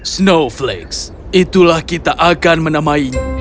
snowflakes itulah kita akan menamainya